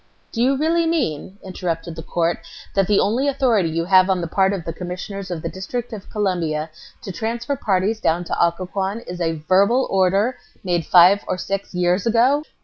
"Do you really mean," interrupted the court, "that the only authority you have on the part of the Commissioners of the District of Columbia to transfer parties down to Occoquan is a verbal order made five or six years ago?"